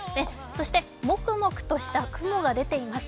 そしてもくもくとした雲が出ています。